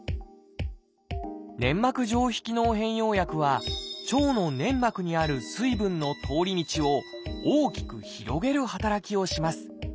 「粘膜上皮機能変容薬」は腸の粘膜にある水分の通り道を大きく広げる働きをします。